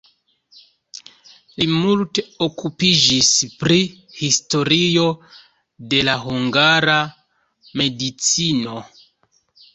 Li multe okupiĝis pri historio de la hungara medicino.